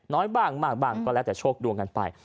น้อยบ้างมากบ้างก็แล้วแต่โชคดวงกันไป